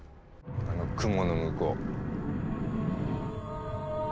あの雲の向こう。